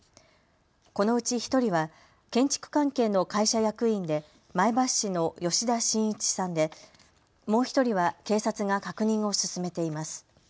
このうち１人は建築関係の会社役員で前橋市の吉田真一さんでもう１人は警察が確認を進めています。